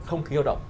không khí hiệu động